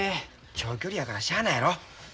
長距離やからしゃあないやろ。